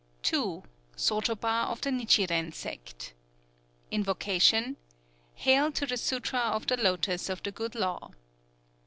II. SOTOBA OF THE NICHIREN SECT. (Invocation.) _Hail to the Sutra of the Lotos of the Good Law!